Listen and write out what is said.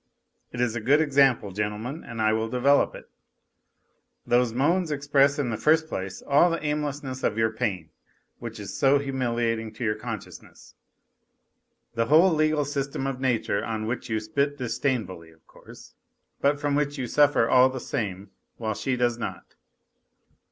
It is a good example, gentle men, and I will develop it. Those moans express in the first place all the aimlessness of your pain, wjiich is so humiliating to your consciouness ; the whole legal system of nature on which 60 NOTES FROM UNDERGROUND you spit disdainfully, of course, but from which you suffer all the same while she does not.